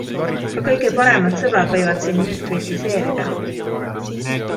Ka kõige paremad sõbrad võivad sind nüüd kritiseerida.